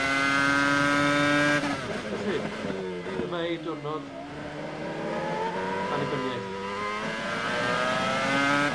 Felly, dyma ei Diwrnod Annibyniaeth.